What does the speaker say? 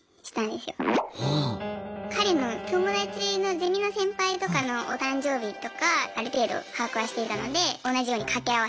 彼の友達のゼミの先輩とかのお誕生日とかある程度把握はしていたので同じように掛け合わせて探していきました。